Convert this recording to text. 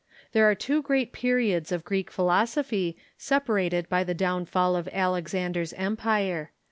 There are two great periods of Greek philosophy, separated by the downfall of Alexander's empire.